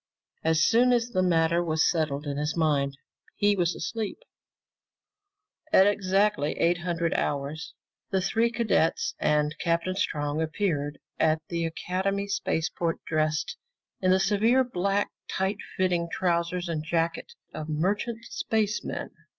As soon as the matter was settled in his mind, he was asleep. At exactly 0800 hours the three cadets and Captain Strong appeared at the Academy spaceport dressed in the severe black tight fitting trousers and jacket of merchant spacemen.